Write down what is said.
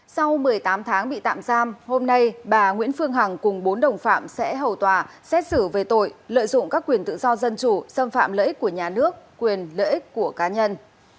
sau một mươi tám tháng bị tạm giam hôm nay bà nguyễn phương hằng cùng bốn đồng phạm sẽ hầu tòa xét xử về tội lợi dụng các quyền tự do dân chủ xâm phạm lợi ích của nhà nước quyền lợi ích của cá nhân